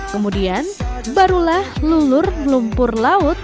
kemudian barulah lulur lumpur laut